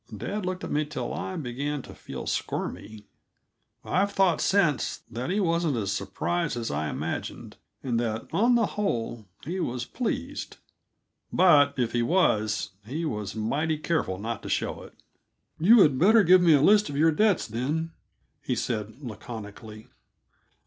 Dad looked at me till I began to feel squirmy. I've thought since that he wasn't as surprised as I imagined, and that, on the whole, he was pleased. But, if he was, he was mighty careful not to show it. "You would better give me a list of your debts, then," he said laconically.